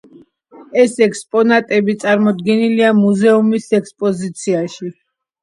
ეს ექსპონატები წარმოდგენილია მუზეუმის ექსპოზიციაში.